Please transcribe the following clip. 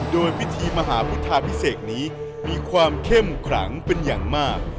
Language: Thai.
โดยพิธีมหาพุทธาพิเศษนี้มีความเข้มขลังเป็นอย่างมาก